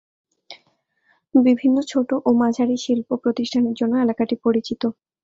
বিভিন্ন ছোটো ও মাঝারি শিল্প প্রতিষ্ঠানের জন্য এলাকাটি পরিচিত।